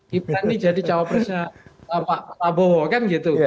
gibran ini jadi cawapresnya pak prabowo kan gitu